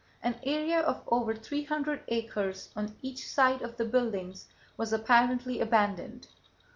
An area of over 300 acres on each side of the buildings was apparently abandoned.